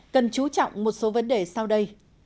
cần chú trọng một số vấn đề sau đây